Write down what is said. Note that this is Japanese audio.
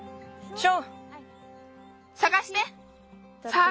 ショー！